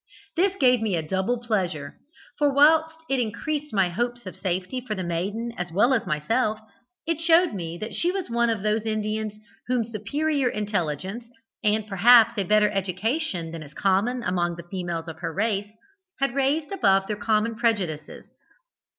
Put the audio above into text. This gave me a double pleasure, for whilst it increased my hopes of safety for the maiden as well as for myself, it showed me, that she was one of those Indians whom superior intelligence, and perhaps a better education than is common among the females of her race, had raised above their common prejudices.